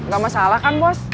gak masalah kan bos